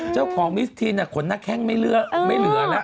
เจ้าของมิสทีนขนหน้าแข้งไม่เหลือแล้ว